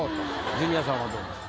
ジュニアさんはどうですか？